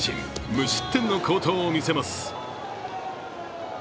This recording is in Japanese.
無失点の好投を見せます。